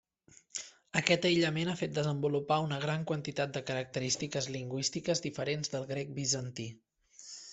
Aquest aïllament ha fet desenvolupar una gran quantitat de característiques lingüístiques diferents del grec bizantí.